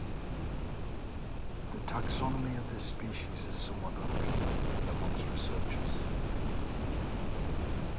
The taxonomy of this species is somewhat unclear, even amongst researchers.